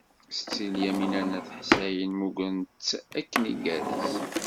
Setti Lyamina n At Ḥsayen mmugren-tt akken igerrez.